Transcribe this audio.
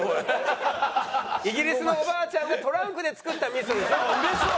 イギリスのお婆ちゃんがトランクで作った味噌でしょ？